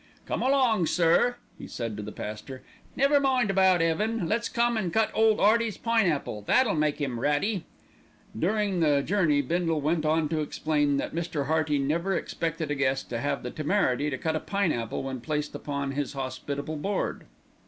"Come along, sir," he said to the pastor. "Never mind about 'eaven, let's come and cut ole 'Earty's pineapple, that'll make 'im ratty." During the journey Bindle went on to explain that Mr. Hearty never expected a guest to have the temerity to cut a pineapple when placed upon his hospitable board.